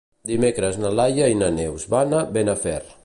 Dimecres na Laia i na Neus van a Benafer.